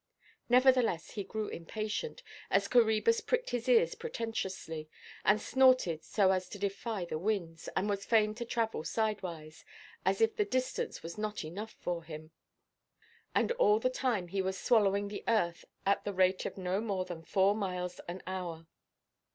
Nevertheless he grew impatient, as Coræbus pricked his ears pretentiously, and snorted so as to defy the winds, and was fain to travel sidewise, as if the distance was not enough for him; and all the time he was swallowing the earth at the rate of no more than four miles an hour.